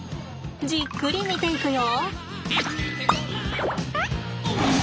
じっくり見ていくよ。